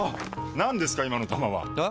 何ですか今の球は！え？